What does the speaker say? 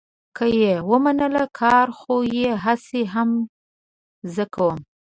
که یې ومنله، کار خو یې هسې هم زه کوم.